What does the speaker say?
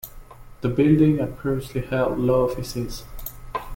The building had previously held law offices.